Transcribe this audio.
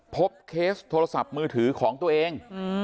เคสโทรศัพท์มือถือของตัวเอง